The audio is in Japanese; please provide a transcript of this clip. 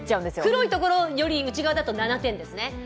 黒いところより内側だと７点ですね。